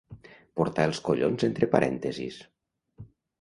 Portar els collons entre parèntesis.